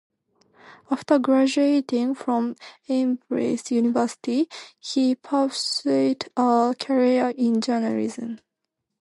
After graduating from Edinburgh University he pursued a career in journalism.